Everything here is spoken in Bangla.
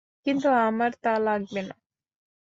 কিন্তু আমার তা লাগবে না।